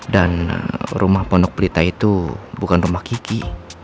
dan rumah pondok pelita itu bukan rumah kiki